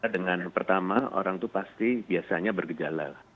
dengan pertama orang itu pasti biasanya bergejala